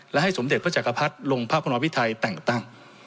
และให้สมเด็จพระจักรพรรดิลงพระพรพิไทยแต่งตั้ง